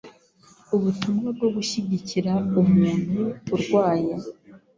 Ubutumwa bwo gushyigikira umuntu urwaye